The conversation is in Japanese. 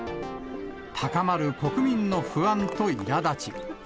高まる国民の不安といら立ち。